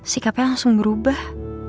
sikapnya langsung berubah